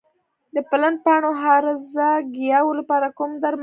د پلن پاڼو هرزه ګیاوو لپاره کوم درمل شته؟